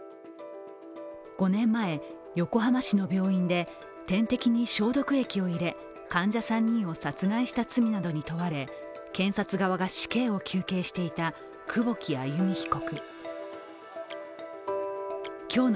５年前、横浜市の病院で点滴に消毒液を入れ患者３人を殺害した罪などに問われ検察側が死刑を求刑していた久保木愛弓被告。